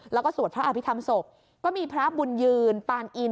แล้วก็สวดพระอภิษฐรรมศพก็มีพระบุญยืนปานอิน